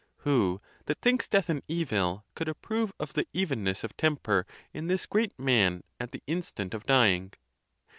Who that thinks death an evil could approve of the evenness of tem per in this great man at the instant of dying?